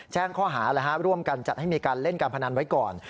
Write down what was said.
แจ้งข้อหาร่วมกันจัดให้มีการเล่นการพนันไว้ก่อน